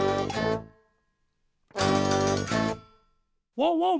ワンワン。